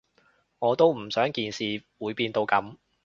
我都唔想件事會變到噉